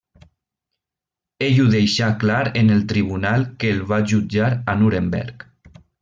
Ell ho deixà clar en el tribunal que el va jutjar a Nuremberg.